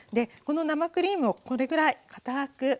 この生クリームをこれぐらい堅く。